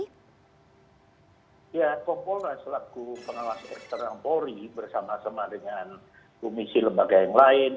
ya kompolnas selaku pengawas eksternal polri bersama sama dengan komisi lembaga yang lain